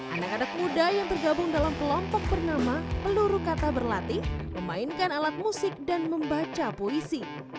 anak anak muda yang tergabung dalam kelompok bernama peluru kata berlatih memainkan alat musik dan membaca puisi